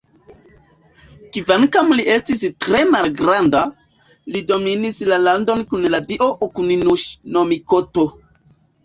Kvankam li estis tre malgranda, li dominis la landon kun la dio Okuninuŝi-no-mikoto.